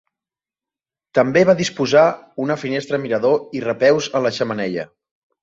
També va disposar una finestra mirador i repeus en la xemeneia.